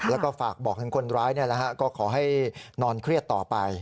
แล้วก็ฝากบอกทั้งคนร้ายเนี่ยนะฮะก็ขอให้นอนเครียดต่อไป